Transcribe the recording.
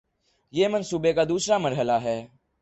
یہ منصوبے کا دوسرا مرحلہ ہے